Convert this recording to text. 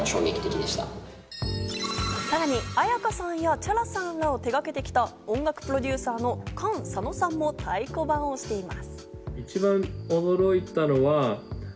さらに絢香さんやＣｈａｒａさんを手がけてきた音楽プロデューサーのＫａｎＳａｎｏさんも太鼓判を押しています。